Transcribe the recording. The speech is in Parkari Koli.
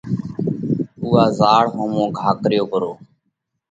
اُوئا زاۯ ۿومو گھا ڪريو پرو۔